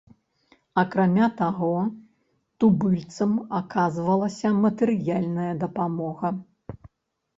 Акрамя таго, тубыльцам аказвалася матэрыяльная дапамога.